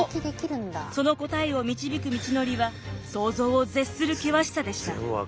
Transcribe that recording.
その答えを導く道のりは想像を絶する険しさでした。